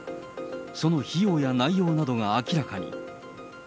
その費用や内容などが明らかに。